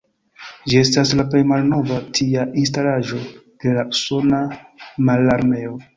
Ĝi estas la plej malnova tia instalaĵo de la usona mararmeo.